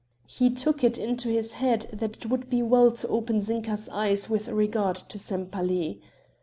He took it into his head that it would be well to open Zinka's eyes with regard to Sempaly.